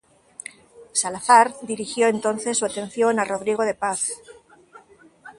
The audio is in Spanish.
Salazar dirigió entonces su atención a Rodrigo de Paz.